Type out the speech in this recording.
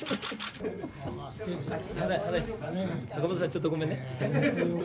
ちょっとごめんね。